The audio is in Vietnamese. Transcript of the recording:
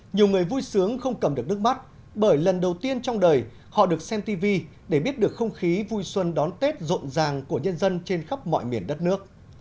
nhiều người vui sướng không cầm được nước mắt bởi lần đầu tiên trong đời họ được xem tv để biết được không khí vui xuân đón tết rộn ràng của nhân dân trên khắp mọi miền đất nước